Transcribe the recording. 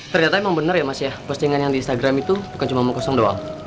ternyata emang bener ya mas ya postingan yang di instagram itu bukan cuma mau kosong doang